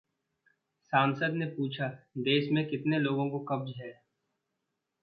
सांसद ने पूछा- देश में कितने लोगों को कब्ज है?